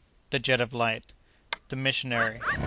The Jet of Light.—The Missionary.